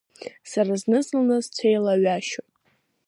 Сара зны-зынла исцәеилаҩашьоит.